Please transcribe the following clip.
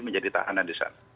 menjadi tahanan di sana